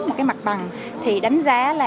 một cái mặt bằng thì đánh giá là